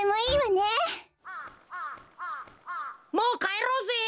もうかえろうぜ。